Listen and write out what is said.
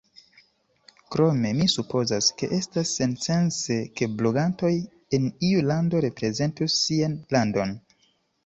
Krome, mi supozas ke estas sensence ke blogantoj en iu lando reprezentus sian landon.